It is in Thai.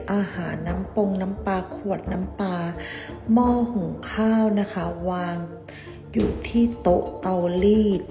อาหารน้ำปงน้ำปลาขวดน้ำปลาหม้อหุงข้าวนะคะวางอยู่ที่โต๊ะเตาลีด